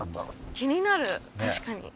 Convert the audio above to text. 気になる確かに。